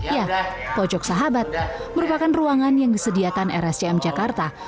ya pojok sahabat merupakan ruangan yang disediakan rscm jakarta